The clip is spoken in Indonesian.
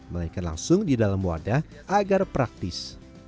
melainkan langsung di dalam wadah agar praktis